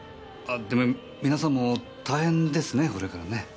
あでも皆さんも大変ですねこれからね。